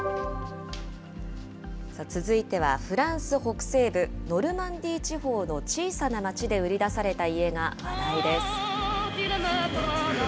続いては、フランス北西部ノルマンディー地方の小さな町で売り出された家が話題です。